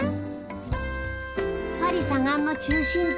パリ左岸の中心地